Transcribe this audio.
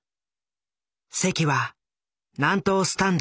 席は南東スタンド